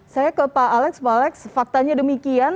saya ke pak alex pak alex faktanya demikian